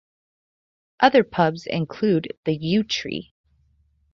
Other pubs include the Yew Tree.